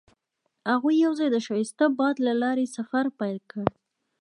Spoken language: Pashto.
هغوی یوځای د ښایسته باد له لارې سفر پیل کړ.